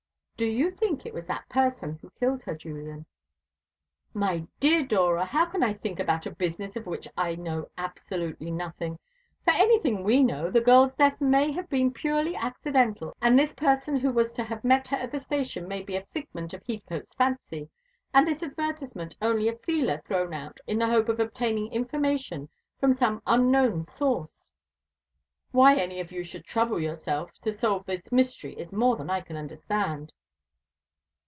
Do you think it was that person who killed her, Julian?" "My dear Dora, how can I think about a business of which I know absolutely nothing? For anything we know, the girl's death may have been purely accidental, and this person who was to have met her at the station may be a figment of Heathcote's fancy, and this advertisement only a feeler thrown out in the hope of obtaining information from some unknown source. Why any of you should trouble yourselves to solve this mystery is more than I can understand."